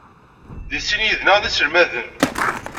Deg sin yid-neɣ d iselmaden.